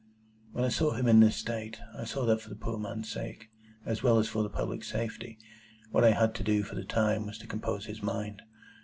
When I saw him in this state, I saw that for the poor man's sake, as well as for the public safety, what I had to do for the time was to compose his mind.